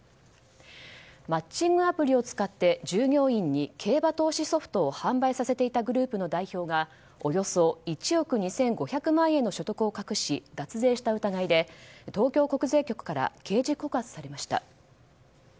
マッチングアプリを使って従業員に競馬投資ソフトを販売させていたグループの代表がおよそ１億２５００万円の所得を隠し脱税した疑いで東京国税局から刑事告発されました。